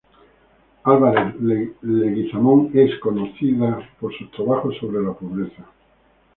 Álvarez Leguizamón es conocida por sus trabajos sobre la pobreza.